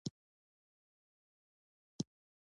اغېزناکه ډيپلوماسي د هېواد اعتبار لوړوي.